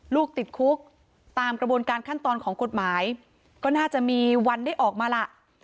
ลูกติดคุกตามกระบวนการขั้นตอนของกฎหมายก็น่าจะมีวันได้ออกมาล่ะ